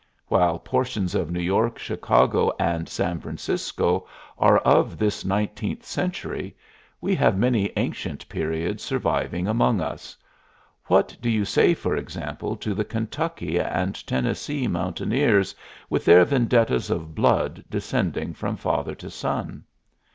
While portions of New York, Chicago, and San Francisco are of this nineteenth century, we have many ancient periods surviving among us. What do you say, for example, to the Kentucky and Tennessee mountaineers, with their vendettas of blood descending from father to son?